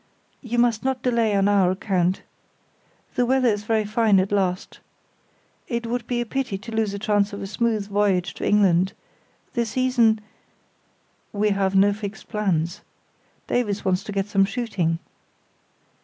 "You must not delay on our account. The weather is very fine at last. It would be a pity to lose a chance of a smooth voyage to England. The season——" "We have no fixed plans. Davies wants to get some shooting.